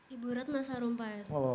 ibu ratna sarumpayar